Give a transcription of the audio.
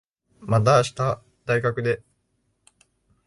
また明日、大学で。